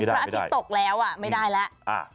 อาทิตย์ตกแล้วไม่ได้แล้ว